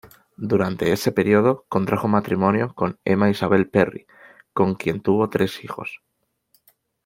Durante ese periodo contrajo matrimonio con Emma Isabel Perry con quien tuvo tres hijos.